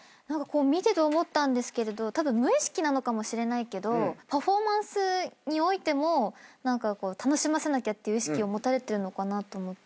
見てて思ったんですけれど無意識なのかもしれないけどパフォーマンスにおいても楽しませなきゃっていう意識を持たれてるのかなって思って。